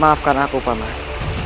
maafkan aku paman